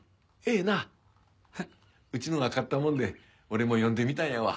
えっ？うちのが買ったもんで俺も読んでみたんやわ。